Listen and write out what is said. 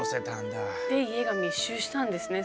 で家が密集したんですね